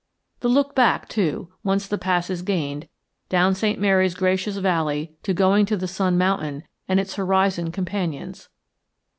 The look back, too, once the pass is gained, down St. Mary's gracious valley to Going to the Sun Mountain and its horizon companions!